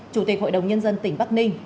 chủ tịch hội đồng nhân dân tỉnh bắc ninh